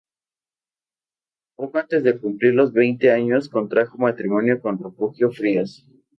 Poco antes de cumplir los veinte años, contrajo matrimonio con Refugio Frías.